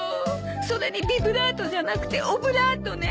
それにビブラートじゃなくてオブラートね。